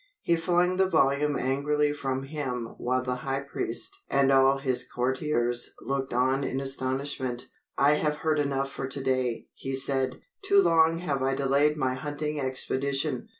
He flung the volume angrily from him while the high priest and all his courtiers looked on in astonishment. "I have heard enough for today," he said. "Too long have I delayed my hunting expedition.